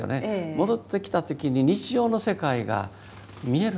戻ってきた時に日常の世界が見える。